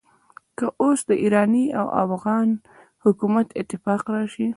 که اوس د ایران او افغان حکومت اتفاق راشي.